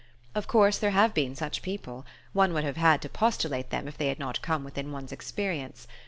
Of course there have been such people: one would have had to postulate them if they had not come within one's experience.